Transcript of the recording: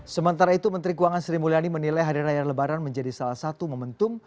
sementara itu menteri keuangan sri mulyani menilai hari raya lebaran menjadi salah satu momentum